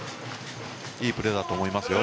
いいプレーだと思いますよ